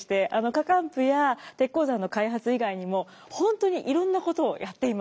火浣布や鉄鉱山の開発以外にも本当にいろんなことをやっています。